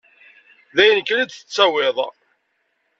D ayen kan i d-tettawiḍ.